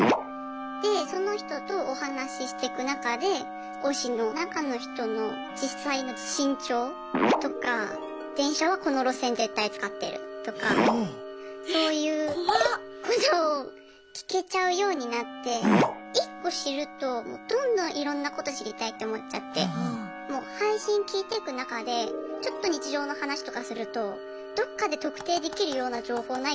でその人とお話ししてく中で推しの中の人の実際の身長とか電車はこの路線絶対使ってるとかそういうことを聞けちゃうようになって１個知るともうどんどんいろんなこと知りたいって思っちゃってもう配信聞いてく中でちょっと日常の話とかするとどっかで特定できるような情報ないかなとか。